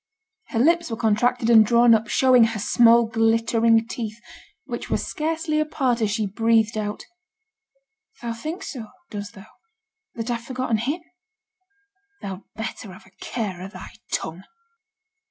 Her lips were contracted and drawn up, showing her small glittering teeth, which were scarcely apart as she breathed out 'Thou thinks so, does thou, that I've forgetten him? Thou'd better have a care o' thy tongue.'